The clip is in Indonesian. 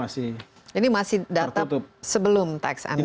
jadi masih data sebelum tax amnesty